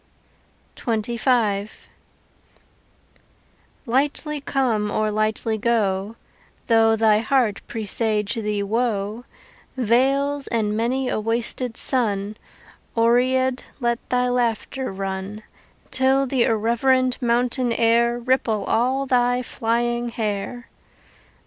XXV Lightly come or lightly go: Though thy heart presage thee woe, Vales and many a wasted sun, Oread let thy laughter run, Till the irreverent mountain air Ripple all thy flying hair.